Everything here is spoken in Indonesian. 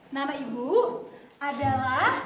nama ibu adalah